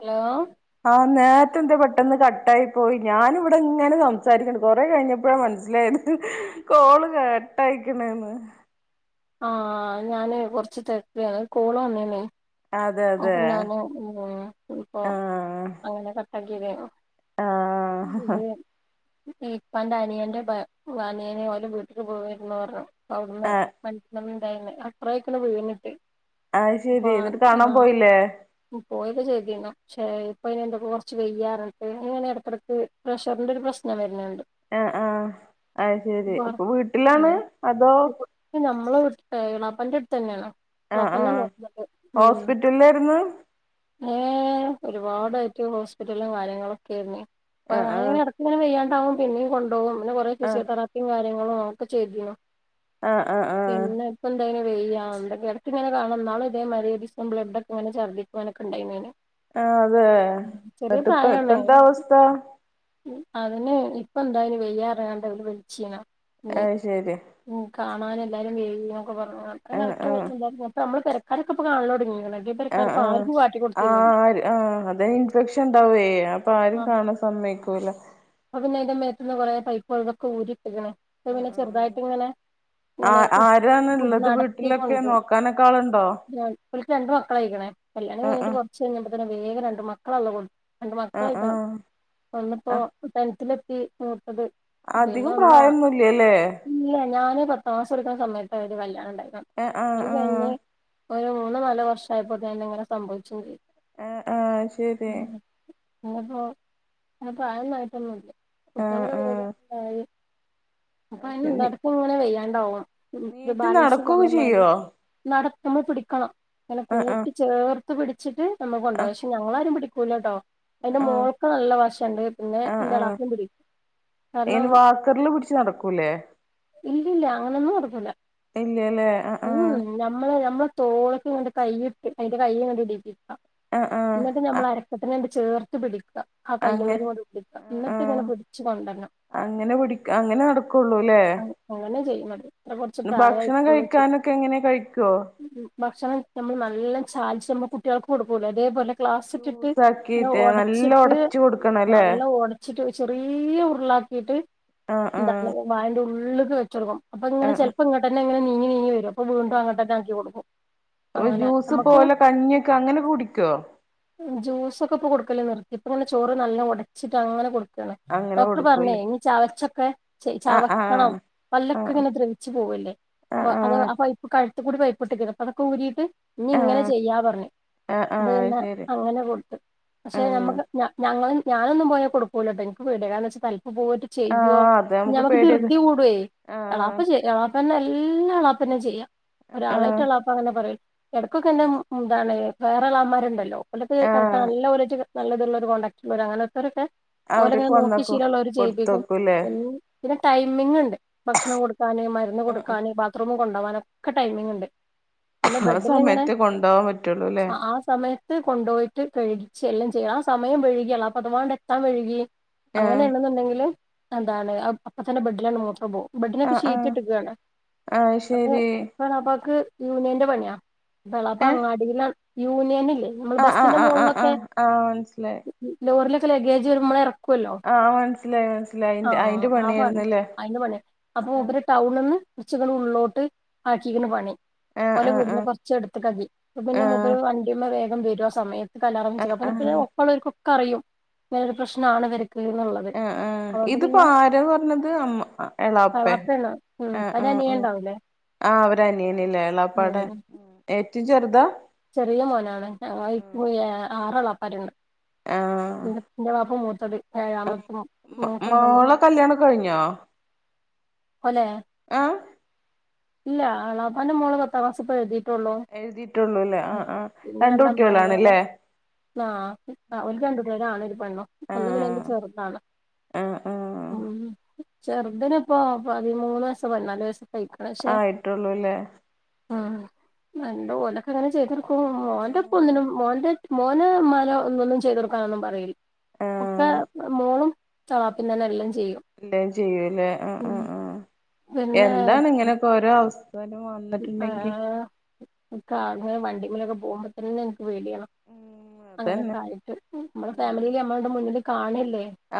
Hello ആഹ് നേരത്തെന്താ പെട്ടെന്ന് കട്ടായിപ്പൊയി ഞാനിവിടിങ്ങിങ്ങനെ സംസാരിക്കണ്ട് കൊറെ കഴിഞ്ഞപ്പോഴാ മന സിലായത് കോള് കട്ടായിക്കണന്ന് ആ ഞാന് കൊറച്ച് തെരക്കിലാണ് കോള് വന്നേന് അതെ അതെ അപ്പൊ ഞാന് ഉം ഇപ്പൊ ആഹ് അങ്ങനെ കട്ടാക്കിയതാഞ്ഞു ആഹ് [unintelligible] ഉപ്പാന്റെ അനിയന്റെ അനിയനെ ഓലും വീട്ടിക്ക് വര്ണ്ണ്ട് പറഞ്ഞു അവിടന്ന് ആഹ് പണീണ്ടായിന്ന് അത്ര ആയ്ക്കണ് വീണിട്ട് അപ്പൊ ആത്ശെരി എന്നിട്ട് കാണാ ആ പോയൊക്കെ ചെയ് തീനു പക്ഷേ ഇപ്പ അയിനെന്തെക്കെ കുറച്ച് വെയ്യാപറഞ്ഞിട്ട് ഇങ്ങനെ ഇടക്കിടത്ത് പ്രഷറിന്റെ ഒരു പ്രശ്നം വരുന്നുണ്ട് ആഹ് ആഹ് ആ ആത്ശെരി ഇപ്പൊ വീട്ടിലാണ് ഉം അതോ വാപ്പന്റെടുത്ത് തന്നെയാണ് ആഹ് വാപ്പാനെ ആഹ് നോക്കുന്നത് ഹോസ്പിറ്റലിലായിരുന്നു ഏ ഒരുപാടായിട്ട് ഹോസ്പിറ്റലും കാര്യങ്ങളൊക്കെയായിരുന്നു ആഹ് ഉപ്പങ്ങനെ ആഹ് നടക്കും പിന്നെവയ്യാണ്ടാവും പിന്നേം കൊണ്ടോവും പിന്നെ കൊറേ ഫിസിയോതെറാപ്പിയും കാര്യങ്ങ ളൊക്കെ ചെയ്തിനു ആഹ് ആഹ് ആഹ് ആഹ് പിന്നെ ഇപ്പെന്താനു വയ്യാ ആ ഇണ്ടെൻകി ഇടക്കിങ്ങനെ കാണും ഇന്നാളും ഇതേമാതിരി ഒരീസം ബ്ലഡ്ഡൊക്കെവന്ന് ഛർദിക്കാനൊക്കെണ്ടായെന് ആ അതെ എന്നിട്ടിപ്പാ പ്രായാണ് ഇപ്പെന്താ അവസ്ഥ അതിന് ഇപ്പ എന്തായെന് വയ്യാപറഞ്ഞ്ങ്ങാണ്ട് അവല് വിളിച്ചീന് അത്ശെരി കാണാൻ എല്ലാരും വെരീന്നൊക്കെ പറഞ്ഞു അങ്ങന ആഹ് ആഹ് എ നമ്മള് പെരക്കാരൊക്കെ കാണാൽ തൊടങ്ങീ ആ ആ ആ അതേ ഇൻഫെക്ഷൻ ഉണ്ടാവേ അപ്പൊ ആരും കാണാൻ സമ്മയി യിക്കൂല അപ്പ പിന്നയിന്റെ മേത്ത്ന്ന് കുറേ പൈപ്പും അതുംക്കെ ഊരിയിട്ട്ക്ക്ണ് അപ്പൊ ആഹ് പിന്നെ ആഹ് ആഹ് ചെറുതായിട്ട്ങ്ങനെ ആ ഇങ്ങനെ ആരാണ്ള്ളത് നടത്തി വീട്ടിലൊക്കെ കൊണ്ടും നോക്കാനൊക്കെ ആളുണ്ടോ ഞാൻ ഒല്ക്ക് രണ്ട് മക്കളായിക്കണ കല്യാണം ആഹ് കഴിഞ്ഞിട്ട് ആഹ് കുറച്ച് കഴിഞ്ഞ്പോ തന്നെ വേഗം രണ്ട് മക്കളെ അള്ള കൊട് രണ്ട് ആഹ് ആഹ് മക്കളായിക്കണം ഒന്നിപ്പോ ആഹ് ടെൻത്തിലെ എത്തി മൂത്തത് പിന്നെ അധികം ഒന്നാ പ്രായൊന്നുല്ലല്ലേ ഇല്ല ഞാന് പത്താംക്ലാസ് പഠിക്കുന്ന സമയത്ത് [unintelligible] കല്യാണം ഉണ്ടായത് ആഹ ആഹ ആഹ ഒരു മൂന്ന് നാല് വർഷം ആയപ്പോൾ തന്നെ ഇങ്ങനെ സംഭവിച്ചുണ്ട് ആഹ ആഹ ശരി [unintelligible] അപ്പോ അപ്പോ ആന്നായിട്ടൊന്നും ഇല്ല ആഹ് കുട്ടികളക്കൊ ആഹ് വരും അപ്പൊ അത് ശരി നീ [unintelligible] ഇങ്ങനെ വെയ്യാണ്ടാവും ഒരു നീറ്റ് ബാലൻസ് നടക്കൊക്കെ പോണ മാതിരി ചെയ്യോ നമ്മൾ പിടിക്കണം അങ്ങനെ ആഹ് ആഹ് കൂട്ടി ചേർത്ത് പിടിച്ചിട്ട് നമ്മൾ കൊണ്ടോകും ആഹ് പക്ഷെ ഞങ്ങളാരും പിടിക്കൂല കേട്ടോ അതിന്റെ ആഹ് മോൾക്ക നല്ല വശുണ്ട് പിന്നെ ആഹ് എന്റെ ആഹ് എളാപ്പയും പിടിക്കും അയിന് കാരണം വാക്കറില് പിടിച്ച് നടക്കൂലേ ഇല്ലല്ല അങ്ങനെൊന്നും ഇല്ലല്ലേ ആഹ് ഉം ആഹ് നമ്മളെ നമ്മള തോളൊക്കെ ഇങ്ങട്ട് കൈയിട്ട് അതിന്റെ കൈ ഇങ്ങട്ട് ഇടിപ്പിക്കാം ആഹ് ആഹ് എന്നിട്ട് അ നമ്മൾ അരക്കത്തിന് ചേർത്ത് പിടിക്കുക ആ അങ്ങ കയ്യമ്മേല് കൂടി പിടിക്കുക ആഹ് എന്നിട്ട് ആഹ് ഇങ്ങനെ പിടിച്ച് കൊണ്ടവരണം അങ്ങനെ പിടിക്ക അങ്ങനെ നടക്കൊള്ളൂല്ലേ അത്ര കുറച്ച് പ്രായമായിട്ടൊള്ളു കഴിക്കാനൊക്കെ എങ്ങനെ കഴിക്കോ ഭക്ഷണം നമ്മൾ നല്ല ചാലിച്ചിട്ട് ഞമ്മൾ കുട്ടിയാൾക്ക് കൊടുക്കുമ്പോലെ ക്ലാസ് ഇട്ടിട്ട് ജ്യൂസ് ഇങ്ങനെ ആക്കിട്ട് നല്ല ഉടച്ചിട്ട് ഒടച്ചു കൊടുക്കണല്ലേ നല്ല ഒടച്ചിട്ട് ചെറിയ ഉരുളാക്കിയിട്ട് ആഹ് എന്താണ് ആഹ് വായന്റെ ഉള്ളിലെക്ക് വെച്ചകൊടുക്കണം അപ്പൊ ഇങ്ങനെ ആഹ് ചിലപ്പോ ഇങ്ങോട്ട് തന്നെ ഇങ്ങെ നീങ്ങ നീങ്ങ വരും വീണ്ടും ആഹ് അങ്ങോട്ടൊക്കെ ആക്കി കൊടുക്കും അപ്പൊ അങ്ങനെ ജ്യൂസ് നമ്മുക്ക് പോലെ കഞ്ഞിയൊക്കെ അങ്ങനെ കുടിക്കോ ജൂസൊക്കെ ഇപ്പൊ കൊടുക്കല് നിർത്തി ഇപ്പം ഇങ്ങനെ ചോറ് നല്ല ഉടച്ചിട്ട് അങ്ങനെ കൊടുക്ക അങ്ങനെ ഡോക്ടർ പറഞ്ഞേ കൊടുക്കൂല്ലേ ഇനി ചവച്ചൊക്കെ ആഹ് ചവക്കണം ആഹ് പല്ലൊക്കെ ആഹ് ഇങ്ങനെ ദ്രവിച്ചു പോകല്ലേ ആഹ് അത് ആഹ് അപ്പൊ ഇപ്പ [unintelligible] കൂടി പൈപ്പ്ഇട്ട് ക്ക്ണ് അപ്പ അതക്കെ ഊരിട്ട് ഇനി ഇങ്ങനെ ആഹ് ചെയ്യാന്ന് പറഞ്ഞ ആഹ് അത് ആഹ് പിന്നെ ശരി അങ്ങനെ കൊടുത്തു പക്ഷെ ആഹ് ഞമ്മക്ക് ഞാനൊന്നും പോയാ കൊടുക്കൂല കേട്ടോ എനിക്ക് വീടുകാരന്ന് വെച്ച്ൽ പോയിട്ട് ചെയ്യോ ആഹ് അത് നമുക്ക് പേടിയത് ധൃതി കൂടും ആഹ് എളാപ്പ എളാപ്പന്നല്ലേ എല്ലാളാപ്പന്നെ ചെയ്യാം ആഹ് ഒരാളായിട്ട്ള്ളാപ്പ അങ്ങനെ പറ ഇടക്കൊക്കെന്ത ഇന്താണ് വേറെ എളമാരുണ്ടല്ലോ ഓലടത്ത് കിടക്കാൻ ആഹ് നല്ല [unintelligible] നല്ലതുള്ള ഒരു കോണ്ടാക്ട് ഉള്ളോർ അങ്ങനത്തരൊക്കെ ഓലെങ്ങനെ അവരൊക്കെ നോക്കി വന്നക്കോ ശീലമുള്ളവര് ചെയ്യിപ്പിക്കും കൊടുത്തോക്കൂല്ലേ പി പിന്നെ ടൈമിംഗ ഉണ്ട് ഭക്ഷണം കൊടുക്കാന് മരുന്ന് ആഹ് കൊടുക്കാന് ബാത്റൂം കൊണ്ടാവാന് ഒക്കെ ടൈമിങ് ഉണ്ട് പിന്നെ ആഹ് ആ ബെഡിൽ ഇങ്ങനെ സമയത്ത് കൊണ്ടോവാൻ പറ്റുള്ളൂല്ലേ ആ സമയം കൊണ്ടു പോയിട്ട് കഴുകിച്ച് എല്ലാം ചെയ്യാം ആ സമയം വഴുകിയൽ അപ്പൊ അതവാ എത്താ വെഴുകി ആഹ് അങ്ങനൊണെന്നുണ്ടെങ്കിൽ എന്താണ് അപ്പ തന്നെ ബെഡിലാണ് മൂത്രം പോകും ബെഡിനൊക്കെ ആഹ് ആഹ് ഷീറ്റ് ഇട്ട്ക്കാണ് ആഹ് അത് ശരി ഇപ്പ എളപ്പാക്ക് യൂണിയന്റെ പണിയാ ഇളപ്പ ഏഹ് അങ്ങാടിയില യൂണിയൻ ഇല്ലേ നമ്മൾ ആഹ് ആഹ് ബസ്സിന്റെ ആഹ് മുകളിലൊക്കെ ആഹ് ആഹ് ആഹ് മനസ്സിലായി ലോറിലൊക്കെ ലഗേജ് വരുമ്പോളെക്കെ ഇറക്ക ല്ലോ ആഹ് മനസ്സിലായി മനസ്സിലായി അയിന്റെ ആഹ ആ പണിയായിരുന്നല്ലേ അയിന്റെ പണി അപ്പൊ മുപ്പര് ആഹ് ടൗണ്ന്ന് കൊറച്ചൊക്കെ ങ്ങട്ട് ഉള്ളിലോട്ട് ആക്കിക്ക്ണ് പണി ആഹ് ഓലെ ആഹ് വീടിന്റെ കൊറച്ച് എടുത്ത്ക്ക് ആക്കി പിന്നെ ആഹ് മുപ്പര് വണ്ടിമ്മൽ വേഗം വരും ആസമയത്ത് ആഹ് ആഹ് [unintelligible] ഒപ്പം ഉള്ളോർക്ക് ഒക്കെ അറിയും അങ്ങനൊരു പ്രശ്നാണ് ഇവർക്ക് ഉള്ളത് എന്ന് ആ വരക്കുക എന്നുള്ളത് ആ അതുകൊണ്ട് ഇതിപ്പോ പിന്നെ ആരാന്ന് പറഞ്ഞത് അമ് എളാപ്പേ എളാപ്പയാണ് ഉം ആ ആ ഒരു ഉ അനിയൻ ഉണ്ടാവൂലേ ആഹ അവര്അനിയനില്ലേ എളാപ്പാടെ ഉം ഏറ്റവും ചെറുതാ ചെറിയ മോനാണ് [unintelligible] ആർ എളപ്പാരുണ്ട് എ ന്റെ വാപ്പ മൂത്തത് ഏഴാമത്തെ മ മൂത്ത മോന് മോളെ കല്യാണം കഴിഞ്ഞോ [unintelligible] അഹ് ഇല്ല എളാപ്പാന്റെ മോൾ പത്താം ക്ലാസ് പ്പം എഴുതിയിട്ടുള്ളൂലേ ആ ആ പിന്നെ രണ്ട് അമ്മായിമ്മ കുട്ട്യേളാണ്ലെ. ആ ഓൽ രണ്ടുപേര് ആണ് ഒര് പെണ്ണും ഒന്ന് പിന്നെ അയിന്റെ ചെർതാണ്. ആ ആ. ഉം ചെർതിന് ഇപ്പോ പതിമൂന്ന് വയസ്സോ പതിനാല് വയസ്സോ ഒക്കായി ആയിട്ടുള്ളൂല്ലേ. ഉം അല്ല, ഓലൊക്കെങ്ങനെ ചെയ്തൊടുക്കും മോന്റെ ഇപ്പം ആഹ് ഒന്നിനും മോന്റെ മോന് മ്മാരെ ഒന്നൊന്നും ചെയ്തൊടുക്കാനൊന്നും പറയ ഒക്കെ ആഹ് മോളും തവാപ്പിന്നന്നെ എല്ലാം. ചെയ്യും [unintelligible] ചെയ്യൂലേ ആ ആ ഉം ആ എന്താണ് ഇങ്ങനെക്കെ ഓരോ അവസ് ആ കാർമ്മെ വണ്ടിമലൊക്കെ പോവുമ്പോത്തന്നെ. ഉം [inaudible] അതന്നെ അങ്ങനെനൊക്കായിട്ട് മ്മളെ ഫാമിലീല് അമ്മളാട്ട് മുന്നിൽ കാണി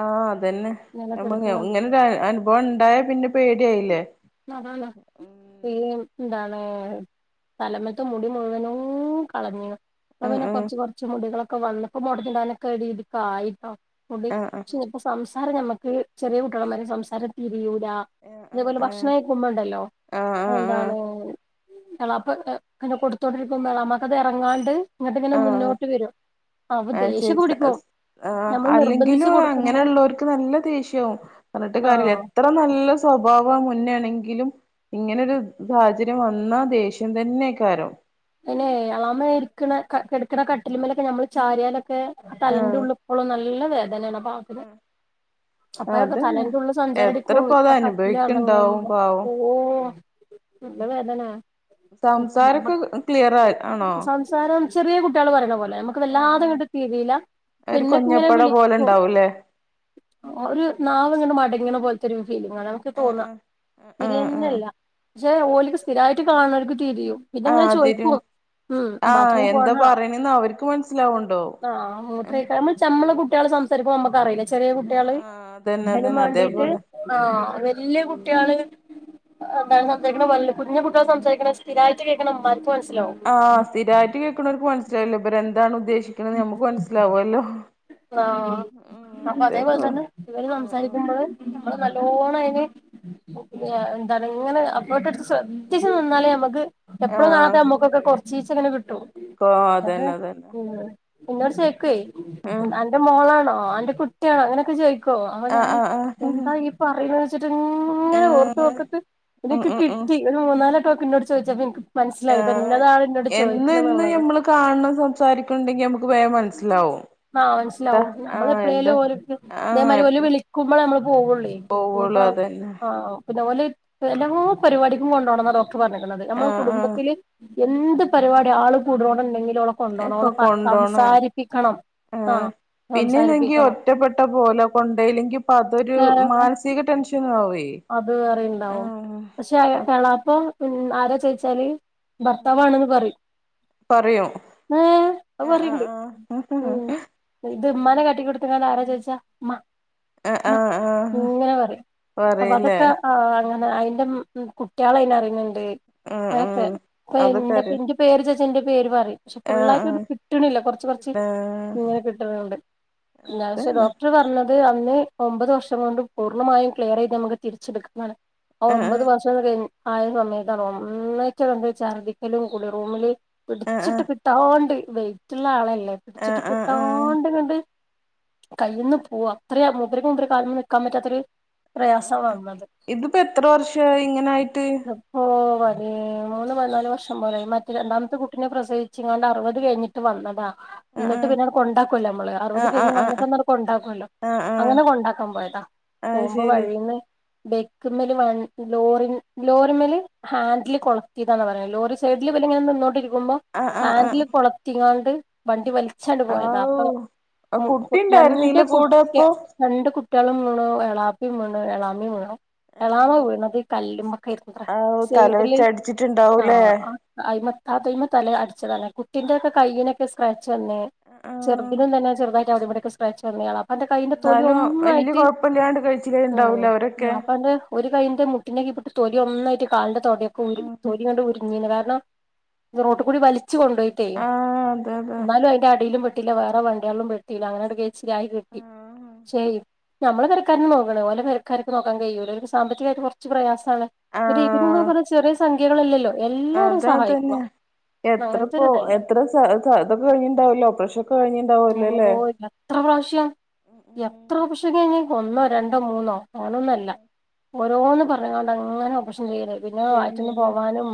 ആ അതന്നെ [unintelligible] എടുക്കുന്നത് ഇങ്ങനൊരു അനുഭവം ഇണ്ടായ പിന്നെ പേടിയായില്ലേ. അതാണ് പേ ഉം ന്താണ് തലമത്തെ മുടി മുഴുവനൂം കളഞ്ഞ്ണ്. പ്പൊ ആഹ് പിന്നെ കൊറച്ച് കൊറച്ച് മുടികളൊക്കെ വന്നപ്പോ [unintelligible] മുടി ആഹ് ആഹ് ചെലപ്പം സംസാരം ഞമ്മക്ക് ചെറിയ കുട്യേള്മാരെ സംസാരം തീരിയൂ ആഹ് അതേപോലെ ആഹ് ഭക്ഷണയിക്കുമ്പണ്ടല്ലോ ആഹ് ആഹ് ആഹ് എന്താണ്. ആഹ് എളാപ്പ പിന്നെ കൊടുത്തോണ്ടിരിക്കുമ്പോ എളാമക്കത് ഇറങ്ങാണ്ട്. ഇങ്ങട്ടിങ്ങനെ ആഹ് മുന്നോട്ട് വരും. അപ്പൊ അത് ശരി ദേഷ്യൊക്കെ സ പിടിക്കും സ്സ് ആഹ് ഞമ്മള് നിർബന്ധിച്ച് അല്ലെങ്കിലും കൊടുക്കുമ്പോ അങ്ങനെള്ളവർക്ക് നല്ല ദേഷ്യാവും. പറഞ്ഞിട്ട് കാര്യല്ല ആഹ് എത്ര നല്ല സ്വഭാവാ മുന്നേണ ങ്കിലും ഇങ്ങനൊരു സാഹചര്യം വന്നാ ദേഷ്യം തന്നെയ്ക്കാരം. പിന്നെ എളാമ്മ ഇരിക്കണ ക കെടക്ക്ണ കട്ടിലിമലൊക്കെ ഞമ്മള് ചാരിയാലൊക്കെ തലന്റെ ആഹ് ഉള്ള്പ്പളും നല്ല വേദനാണ് പാവത്തിന്. അപ്പ അതന്നെ തലന്റെ ഉള്ള് എത്ര സഞ്ചാരടിക്കുമ്പോ ഇപ്പ അത് ആ അനുഭവിക്ക്ണ്ടാവും കട്ടിലനങ്ങുമ്പം പാവം ഓഹ് നല്ല വേദനാ സംസാരൊക്കെ ക്ലിയർ ആയി അ സംസാരം ചെറിയ കുട്ട്യേള് പറയണ പോലെ അമ്മക്ക് വല്ലാതെങ്ങട്ട് തിരിയില്ല ഒരു പിന്നെ ഇപ്പ ഇങ്ങനെ കുഞ്ഞപ്പട വിളിക്കും, പോലെണ്ടാവൂലേ ഒരു നാവിങ്ങനെ മടങ്ങണ പോലത്തൊരു ഫീലിംഗാണ് അമ്മക്ക് തോന്നാ ആഹ് ആഹ് തിരിയെന്നല്ല. പക്ഷെ ഓല്ക്ക് സ്ഥിരായിട്ട് കാണണോല്ക്ക് തിരിയും പിന്നെങ്ങനെ ആഹ് ചോയി തിരു [unintelligible] ഉം ആഹ് ബാത്ത്റൂം എന്താ പോണാ പറയണന്ന് അവർക്ക് മനസ്സിലാവ്ണ്ടോ ആഹ് ആഹ് മൂത്രയിക്കാ [unintelligible] അമ്മളെ കുട്ട്യേള് സംസാരിക്കുമ്പോ അമ്മക്ക് അറിയില്ലേ ചെറിയ കുട്ട്യേള് ആഹ് അതന്നെ അയിനും അതന്നെ മാണ്ടീട്ട് അതേപോലെ ആഹ് വല്ല്യ കുട്ട്യേള് [unintelligible] കുഞ്ഞ് കുട്ട്യേള് സംസാരിക്ക്ണേ സ്ഥിരായിട്ട് കേക്ക്ണ അമ്മമ്മാർക്ക് മനസ്സി ആ സ്ഥിരായിട്ട് കേക്കണൂർക്ക് മനസ്സിലാവില്ലേ ഇവർ എന്താണ് ഉദ്ദേശിക്ക്ണെന്ന് ഞമ്മക്ക് മനസ്സിലാവുവല്ലോ. ആഹ് അപ്പൊ അതേപോലെ അതേപ്പോ തന്നെ ഇവര് ആഹ് ആഹ് സംസാരിക്കുമ്പോള്- അമ്മള് നല്ലോണം അയിന് എന്താണ് ഇങ്ങനെ എഫ്‌ഫോർട്ട് എടുത്ത് ശ്രദ്ധിച്ച് നിന്നാലേ ഞമ്മക്ക്- എപ്പോളും കാണാത്ത ആഹ് അമ്മക്കൊക്കെ കൊറച്ചീച്ചങ്ങനെ കി അതന്നെ അതന്നെ ഇന്നോട് ചോയിക്കുവേ ആഹ് അന്റെ മോളാണോ അന്റെ കുട്ടിയാണോ അങ്ങനെയൊക്കെ ചോയി ക്ക് വോ അവൻ ഞാനെ ആഹ് ആഹ് എന്താ ആഹ് ഈ പറയുന്നെ - ഇങ്ങനെ ഓർത്ത് ആഹ് ഓർത്തിട്ട് പിന്നെ ഉം ഇന്ക്ക് ഉം ഉം കിട്ടി ഒരു മൂന്നാലൊട്ടെക്ക ഇന്നോട് ചോദിച്ചപ്പ ഇന്ക്ക് മനസ്സിലായത് ഇത് ആഹ് എങ്ങനെയാണ് എന്ന് യെന്ന് നമ്മള് കാണണം സംസാരിക്കുണ്ടെങ്കി നമ്മക്ക് വേഗം മനസ്സിലാവും ആ എന്താ മനസ്സിലാവും നമ്മള് ആഹ് എന്താ എപ്പളേലും ഓലെക്ക ആഹ് ഇതേമാരി ഓല് എപ്പ വിളിക്കുമ്പോ നമ്മള് പോവോളെ പോവുള്ളൂ ഇനീപ്പം അതന്നെ ആ പിന്നെ ഓല് എല്ലാ പരിപാടിക്കും കൊണ്ടോണന്നാ ഡോക്ടർ പറഞ്ഞിക്ക്ണത് നമ്മള് ആഹ് ആഹ് കുടുംബത്തില്. എന്ത് പരിപാടി ആള് കൂട്ണോടം ഇണ്ടെങ്കിലും ഓളെ കൊണ്ടോണം ഒക്കെ ഓളെ കൊണ്ടോണം സംസാരിപ്പിക്കണം. ആഹ് പിന്നെ എന്നെങ്കി സംസാരിപ്പിക്കണം ഒറ്റപ്പെട്ട പോലെ കൊണ്ടോയില്ലെങ്കി ഇപ്പൊ അതൊരു ഏഹ് മാനസിക ടെൻഷൻ അത് വേറെണ്ടാവും പക്ഷെ എളാപ്പം ആരാ ചോയിച്ചാല്- ഭർത്താവാണെന്ന് പറയും പറയും ആഹ് അത് ആഹ് പറയ്ണ്ട് ആഹ് ആഹ് ത് ഉമ്മാനെ കാട്ടിക്കൊടുത്താണ്ട് ആരാ ചോയ്- ച്ച മ [unintelligible] ആ ഹ് ആ ഹ് ആഹ് അപ്പൊ പറയില്ലേ അതൊക്കെ ആ അങ്ങനെ അയിന്റെ മ് കുട്ടിളെ അയിന് അറിയണ്ണ്ണ്ട് ആഹ് അയല [unintelligible] ത്തെ ആഹ് ഇപ്പൊ അതൊക്കെ അറിയാം എന്റെ പേര് ചോയിച്ച എന്റെപേര് പറയും പക്ഷെ ആഹ് ഫുള്ളായിട്ട് ഇത് ആഹ് കിട്ടിണില്ല കൊറച്ച് കൊറച്ച് ആഹ് ഇങ്ങനെ കിട്ടണ് ഇണ്ട് ഇല്ലാ പക്ഷേ അതന്നെ ഡോക്ടർ പറഞ്ഞത് അത് അന്ന് ഒമ്പത് വർഷം കൊണ്ട് പൂർണമായും ക്ലിയറെയ്ത് നമക്ക് തിരിച്ചിട് [unintelligible] ആ ആഹ് ഒമ്പത് വർഷക്കെ കഴിഞ്ഞ് ആയ സമയത്താണ് ഒന്നായ്റ്റ് അങ്ങണ്ട് ചർദിക്കലും കുളി റൂമില് ആഹ് ആഹ് പിടിച്ചിട്ട് ആഹ് കിട്ടാണ്ട് വെയ്റ്റ്ള്ള ആളല്ലേ പിടിച്ചിട്ട് ആഹ് ആഹ് ആഹ് കിട്ടാണ്ട്ങ്ങട് കയ്യ്ന്ന് പുവ്വാ അത്രെ മൂപ്പര്ക്ക് മൂപ്പരെ കാല്മ്മെ നിക്കാൻ പറ്റാത്തൊര് ആഹ് ആഹ് പ്രയാസാ വന്നത് ഇതിപ്പോ എത്ര വർഷായി ഇങ്ങനായിട്ട് ദപ്പോ പതി മൂന്ന് പതിനാല് വർഷം പോലായ് മറ്റെ രണ്ടാമത്തെ ആഹ് കുട്ടിനെ പ്രസവിച്ച് ങ്ങാണ്ട് അറ്‌വത് കഴിഞ്ഞിട്ട് വന്നതാ ഇന്നട്ട് ആഹ് പിന്നാണ്ട് കൊണ്ടാക്കൊല്ലോ അമ്മളെ അറ്‌വത് ആഹ് ആഹ് കഴിഞ്ഞ് ആഹ് വന്നിട്ടൊന്ന് കൊണ്ടാക്കൊല്ലോ ആഹ് ആഹ് ആഹ് അങ്ങനെ കൊണ്ടാക്കാൻ പോയതാ അത് പോകുമ്പോ ശരി വഴീന്ന് ബെയ്ക്ക്മ്മല് വൻ ലോറിൻ ലോറിമ്മല് ഹാൻഡില് കൊളത്തീതാന്നാ പറയ് ലോറി സൈഡിൽ ഇവല്ങ്ങനെ നിന്നോണ്ടിരിക്കുമ്പോ ആഹ് ആഹ് ആഹ് ഹാൻഡില് കൊളത്തിങ്ങാണ്ട് വണ്ടി വൽ ച്ചാണ്ട് പോയതാ ആവൂ അപ്പൊ ആ മു കുട്ടി രണ്ട് ഉണ്ടായിരുന്നീലെ കൂടെ കുട്യ അപ്പൊ രണ്ട് കുട്ടിയോളും വീണു [unintelligible] ളാപ്പിം വീണു എളാമിം വീണു. ആഹ് എളാമ ആഹ് വീണത് കല്ല്മ്മക്കേര്ന്നുത്ര ആവൂ തല സൈഡില് വെച്ച് അടിച്ചിട്ടുണ്ടാവൂലേ ആഹ് ആ അയ്മ താത്തെയ്മെ തല അടിച്ചതാണ്ർ കുട്ടിന്റെക്കെ കൈയിനക്കെ സ്ക്രാച്ച് വന്നൂ ചെർ ആഹ് തിനും തന്നെ ചെറ്തായിട്ട് അവ്‌ടിം ഇവിടെക്കെ സ്ക്രാച്ച് വന്ന് എളാപ്പാന്റെ കയ്യിന്റെ തൊലി എന്നാലും വല്യ ഒന്നായിട്ട് കൊഴപ്പല്ലാണ്ട് കഴിച്ചിലേ ഓഹ് ഉണ്ടാവൂലേ അവരൊക്കെ എളാപ്പാന്റെ ഒരു കയ്യിന്റെ മുട്ടിന്റെ കീപ്പട്ട് തൊലി ഒന്നായിട്ട് കാലിന്റെ തൊടൊക്കെ ഉം ഊരി ഉം തൊലിങ്ങണ്ട് ഉരിഞ്ഞീന്നതാ ണാ റോട്ട്കൂടി വലിച്ചു കൊണ്ടോയ്ട്ടേയ് ആഹ് അതെ അതെ ഇന്നാലും അയ്ന്റെ അടീലും പെ ട്ടില വേറെ വണ്ട്യോൾലും പെട്ടിലാ അങ്ങനാണ്ട് കയ്ച്ചിലായി കിട്ടി ക്ഷേയ് ഞമ്മളെ പെര ക്കാരന്നെ നോക്കണം ഓലെ പെരക്കാര്ക്ക് നോക്കാൻ കയ്യൂല ഓൽക് സാമ്പത്തി കായ്ട്ട് കൊർച്ച് പ്രയാസ സാണ് ഒരിത്പ്പമ്മള് ആഹ് പറ്യ ചെറ്യേ സംഖ്യകളല്ലല്ലോ എല്ലാരും അത് സഹായിക്ക അതന്നെ എത്ര പോ എത്ര സ സ തൊക്കെ കഴിഞ്ഞ്ണ്ടാവൊല്ലോ ഓപ്പറേഷൊക്കെ കഴിഞ്ണ്ടാവൊല്ലോ ലേ. കഴിഞ്ഞിട്ടുണ്ടാവലോല്ലേ പ്രാവ്ശ്യം എത്ര ഓപ്പ്റഷ കഴിഞ് ഒന്നോ രണ്ടോ കഴിഞ്ഞു മൂന്നോ അങ്ങനൊന്നല്ല അതെ ഓരോന്ന് പറഞ്ഞ്ങ്ങാണ്ട് അങ്ങനെ ഓപ്റഷൻ ചെയ്യലേ പിന്നെ വയറ്റ്ന്ന് കഴിഞ്ഞില്ലേ പോവാനും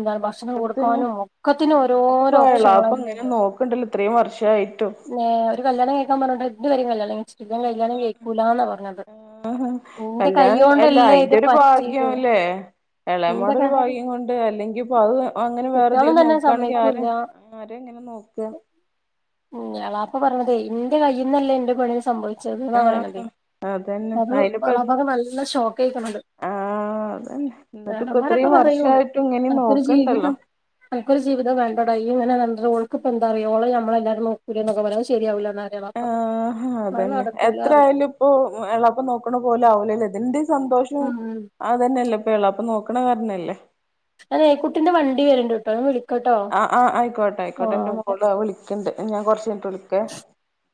ന്താണ് ഭക്ഷണം ഒക്കത്തിനും കൊടുക്കാനും ഒക്കത്തിനും എന്നാലും ഓരോരോ ഇപ്പൊ എളാപ്പ ഓപ്ഷങ്ങളന്നെ ഇങ്ങനെ ന്നെ നോക്ക്ണ്ടല്ലോ ഇത്രയും വർഷായിട്ടും ഏഹ് ഒരു കല്യാണം കഴിക്കാൻ പറഞ്ഞിട്ട് ഇത് വരെ കല്യാണം കഴിച്ചിട്ടി ഇവൻ കല്യാണം കഴിക്കൂലാന്നാ പറഞ്ഞത്. നിന്റെ കല്യാണ അല്ല കൈയ്യോണ്ടല്ലേ ഇത് അയിന്റെരു പറ്റിയത് ഭാഗ്യംല്ലേ നിന്റെ ക എളേമോൾതൊരു ഭാഗ്യം കൊണ്ട് അല്ലെങ്കി ഇപ്പൊ അത് അങ്ങനെ കുട്ടികളും വേറെതും തന്നെ നോക്കാണെങ്കി ആര് സമ്മതിക്കൂല്ല ആരാ ഇങ്ങനെ നോക്കാ എളാപ്പ പറയണതേ ഇന്റെ കയ്യിന്നല്ലെ ഇന്റെ പെണ്ണിന് സംഭവി ച്ചത്ന്നാ പറയ്ണതേ ആഹ് അതന്നെ അത് അയിനിപ്പ എളാപ്പാക്ക് നല്ല ഷോക്കേക്ക്ണത് ആഹ് അതന്നെ എന്നിട്ട് ഇപ്പ ഏട്ടന്മാരൊക്കെ ഇത്രയും പറയും വർഷായിട്ടും ഇങ്ങനെ അനക്കൊരു നോക്കണ്ടല്ലോ ജീവിതം നമുക്കൊരു ജീവിത വേണ്ടടോ ഈയ് ഇങ്ങനെ നടന്നിട്ട് ഓൾക്കിപ്പെന്താറിയോ ഓള് നമ്മെളല്ലാരും നോക്കൂലെന്നൊക്കെ പറയും അത് ശെരിയാവൂല ആഹ് അതന്നെ പറയും എത്രയാലും പ്പൊ എളാപ്പ നോക്കണ പോലെ ആവുലല്ലോ ഇതിന്റെ സന്തോഷം ഉം അതന്നെല്ലേ എളാപ്പ നോക്കണ കാരണല്ലേ അതെ കുട്ടിന്റെ വണ്ടി വരണ്ട്ട്ടോ ഞാ വിളിക് ആഹ് ആഹ് ആയിക്കോട്ടെ ആയിക്കോട്ടെ ഇന്റെ മോളും വിളിക്ക്ണ്ട് ഞാൻ കൊറച്ച് കഴിഞ്ഞിട്ട് വിളിക്കേ.